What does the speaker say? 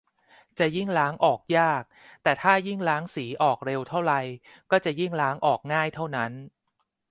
จะยิ่งล้างออกยาก แต่ถ้ายิ่งล้างสีออกเร็วเท่าไร ก็จะยิ่งล้างออกง่ายเท่านั้น